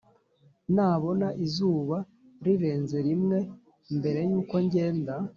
nabona izuba rirenze rimwe mbere yuko ngenda. "